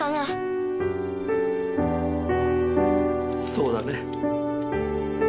そうだね。